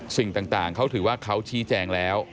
สิ่งต่างเขาถือว่าเขาชี้แจงแล้ว